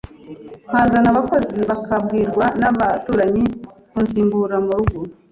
Nkazana abakozi bakabwirwa n’abaturanyi kunsimbura mu rugo